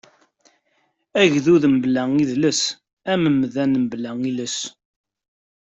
Agdud mebla idles, am umdan mebla iles.